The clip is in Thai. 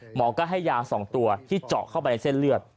หมอก็ให้ยา๒ตัวที่เจาะเข้าไปในเส้นเลือด